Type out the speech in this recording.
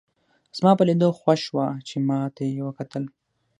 زما په لیدو خوښ شوه چې ما ته یې وکتل.